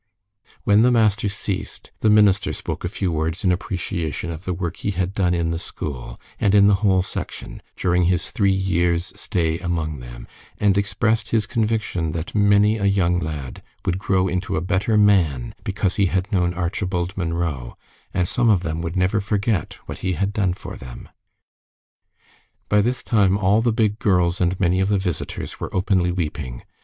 When the master ceased, the minister spoke a few words in appreciation of the work he had done in the school, and in the whole Section, during his three years' stay among them, and expressed his conviction that many a young lad would grow into a better man because he had known Archibald Munro, and some of them would never forget what he had done for them. By this time all the big girls and many of the visitors were openly weeping.